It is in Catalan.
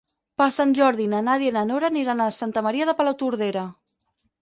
Per Sant Jordi na Nàdia i na Nora aniran a Santa Maria de Palautordera.